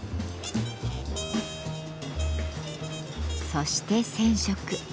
そして染色。